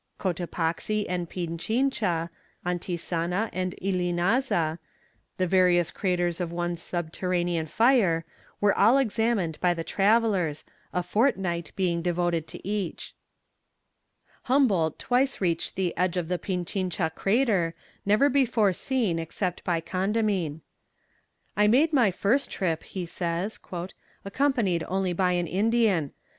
Cotopaxi and Pinchincha, Antisana and Illinaza, the various craters of one subterranean fire, were all examined by the travellers, a fortnight being devoted to each. Humboldt twice reached the edge of the Pinchincha crater, never before seen except by Condamine. "I made my first trip," he says, "accompanied only by an Indian.